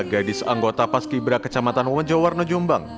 gadis anggota pas kibra kecamatan umejo warno jumbang